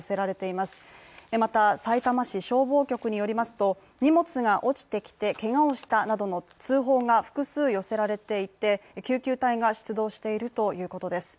またさいたま市消防局によりますと荷物が落ちてきてけがをしたなどの通報が複数寄せられていて救急隊が出動しているということです。